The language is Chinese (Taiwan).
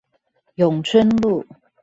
永春路